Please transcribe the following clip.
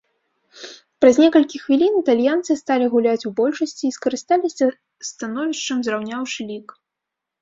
Праз некалькі хвілін італьянцы сталі гуляць у большасці і скарысталіся становішчам, зраўняўшы лік.